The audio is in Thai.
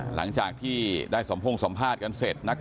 หลังจากที่ได้สมพงสัมภาษณ์กันเสร็จ